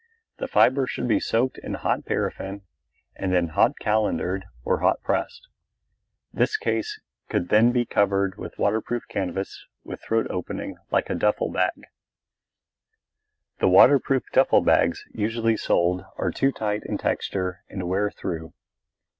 The fibre should be soaked in hot paraffin and then hot calendered or hot pressed. This case could then be covered with waterproof canvas with throat opening like a duffel bag. The waterproof duffel bags usually sold are too light in texture and wear through.